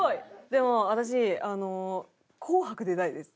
でも私『紅白』出たいです。